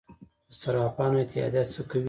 د صرافانو اتحادیه څه کوي؟